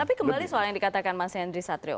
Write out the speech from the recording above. tapi kembali soal yang dikatakan mas henry satrio